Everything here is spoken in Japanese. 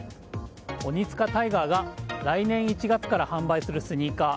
オニツカタイガーが来年１月から発売するスニーカー。